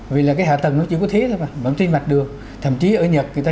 vì là cái hạ tầng nó chỉ có thế thôi mà vẫn trên mặt đường thậm chí ở nhật người ta